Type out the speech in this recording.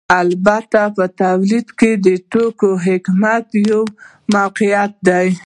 البته په تولید کې د توکو حاکمیت یو واقعیت دی